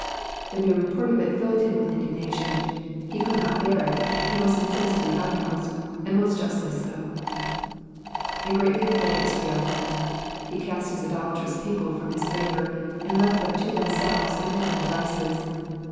'^^ The mere report of it filled him with indignatioa ; he could not bear it, he was incensed to the uttermost, and most justly so. ^^And greatly abhorred IsraeV^ He cast his idolatrous people from his favour, and left them to themselves, and their own devices.